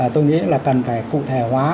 tôi nghĩ là cần phải cụ thể hóa